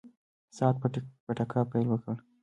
ساعت په ټکا پیل وکړ.